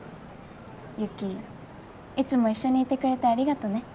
雪いつも一緒にいてくれてありがとね。